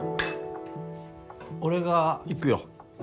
俺が行くよ。